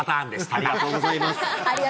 ありがとうございます。